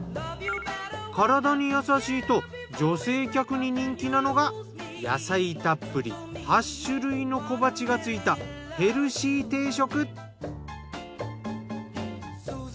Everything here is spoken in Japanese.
体に優しいと女性客に人気なのが野菜たっぷり８種類の小鉢がついたヘルシー定食。